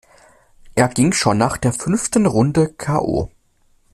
Er ging schon nach der fünften Runde k. o..